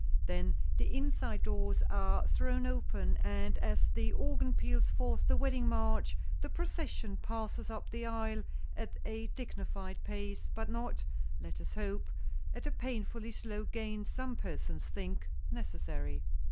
Then the inside doors are thrown open and as the organ peals forth the wedding march, the procession passes up the aisle at a dignified pace, but not, let us hope, at the painfully slow gait some persons think necessary.